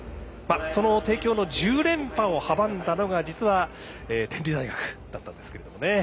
その帝京の１０連覇を阻んだのが実は、天理大学だったんですが。